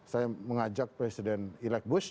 saya mengajak presiden elec bush